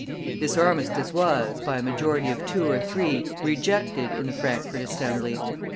This armistice was, by a majority of two or three, rejected in the Frankfort Assembly.